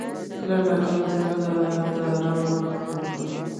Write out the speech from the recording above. کله ناکله ځان ته د آرام وخت ورکړه.